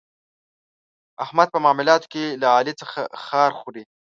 احمد په معاملاتو کې له علي څخه خار خوري.